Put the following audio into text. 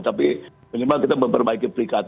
tapi minimal kita memperbaiki peringkat